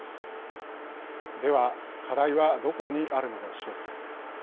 では、課題はどこにあるのでしょうか。